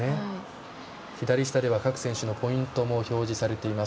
左下では各選手のポイントが表示されています。